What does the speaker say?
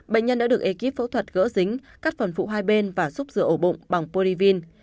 bệnh nhân đã được ekip phẫu thuật gỡ dính cắt phần phụ hai bên và xúc rửa ổ bụng bằng polivin